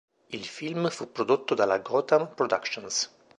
Il film fu prodotto dalla Gotham Productions.